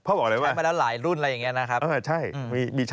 เขาบอกอะไรกันว่าเออเออเขาบอกอะไรหรือม่ะใช้มาแล้วหลายรุ่นอะไรอย่างนี้นะครับ